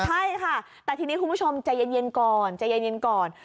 ใช่ค่ะแต่ทีนี้คุณผู้ชมใจเย็นก่อนใจเย็นก่อน